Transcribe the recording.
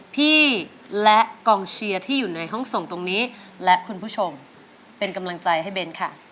พี่และกองเชียร์ที่อยู่ในห้องส่งตรงนี้และคุณผู้ชมเป็นกำลังใจให้เบนค่ะ